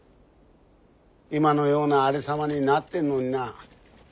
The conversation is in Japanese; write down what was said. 今のようなありさまになってんのにな。